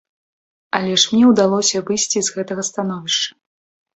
Але ж мне ўдалося выйсці з гэтага становішча.